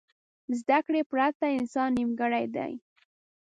زده کړې پرته انسان نیمګړی دی.